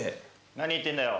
何言ってんだよ。